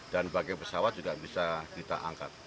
dan bagi pesawat juga bisa kita angkat